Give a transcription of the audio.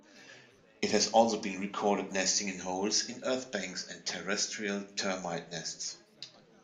It has also been recorded nesting in holes in earth-banks and terrestrial termite-nests.